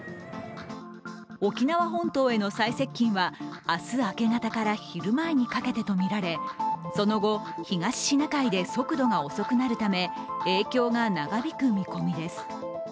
沖縄本島への最接近は明日明け方から昼前にかけてとみられ、その後、東シナ海で速度が遅くなるため影響が長引く見込みです。